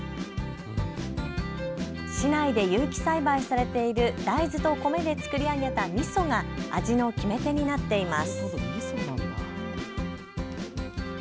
市内で有機栽培されている大豆と米で造り上げたみそが味の決め手になっています。